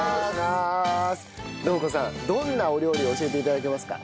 どんなお料理を教えて頂けますか？